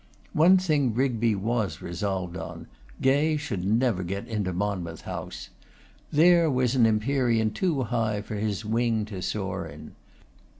One thing Rigby was resolved on: Gay should never get into Monmouth House. That was an empyrean too high for his wing to soar in.